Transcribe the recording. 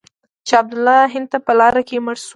شاه عبدالله هند ته په لاره کې مړ شو.